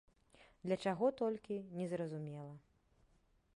Для чаго толькі, незразумела.